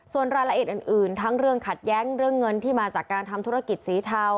ส่วนรายละเอียดอื่นทั้งเรื่องขัดแย้งเรื่องเงินที่มาจากการทำธุรกิจสีเทา